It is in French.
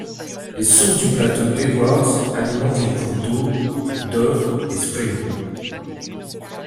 Les sources du plateau d'Edwards alimentent les cours d'eau Dove et Spring.